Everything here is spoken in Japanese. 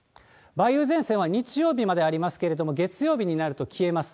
梅雨前線は日曜日までありますけれども、月曜日になると消えます。